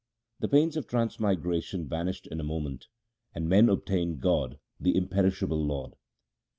The pains of transmigration vanished in a moment, and men obtained God the imperishable Lord.